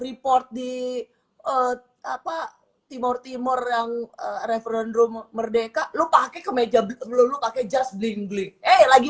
report di apa timur timur yang referendum merdeka lupa ke kemeja belom pakai just bling bling lagi